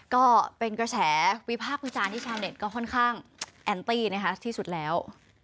ก็เป็นกระแสวิพากษ์วิจารณ์ที่ชาวเน็ตก็ค่อนข้างแอนตี้นะคะที่สุดแล้ว